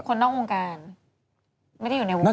คนนอกวงการ